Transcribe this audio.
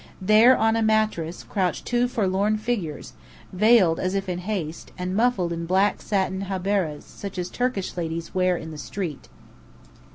There, on a mattress, crouched two forlorn figures, veiled as if in haste, and muffled in black satin habberahs such as Turkish ladies wear in the street.